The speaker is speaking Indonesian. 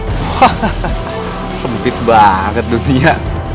wah sempit banget dunia